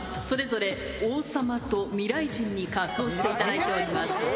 それぞれ王様と未来人に仮装していただいております。